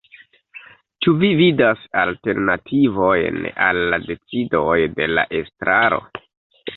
Ĉu vi vidas alternativojn al la decidoj de la estraro?